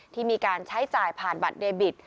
ที่มีการใช้จ่ายผ่านบัตรเดบิต